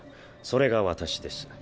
それが私です。